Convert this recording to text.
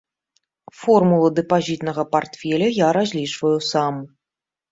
Формулу дэпазітнага партфеля я разлічваю сам.